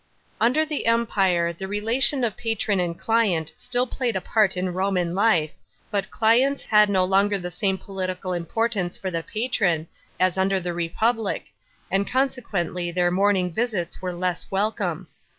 §§ 5. Under the Empire the relation of patron and client still played a part in Roman life, but clients had no longer the same political importance for the patron as und r the Republic, an I consequently their morning visits were less welc^ me.